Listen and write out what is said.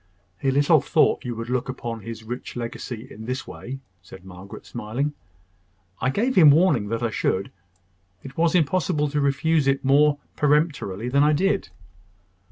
"He little thought you would look upon his rich legacy in this way," said Margaret, smiling. "I gave him warning that I should. It was impossible to refuse it more peremptorily than I did."